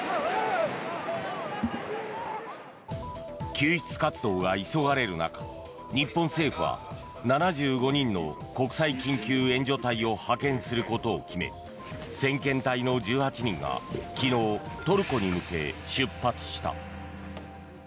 救出活動が急がれる中日本政府は７５人の国際緊急援助隊を派遣することを決め先遣隊の１８人が昨日、トルコに向け出発した。